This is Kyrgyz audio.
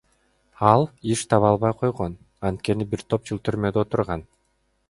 Ал иш таба албай койгон, анткени бир топ жыл түрмөдө отурган.